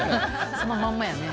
そのまんまやね。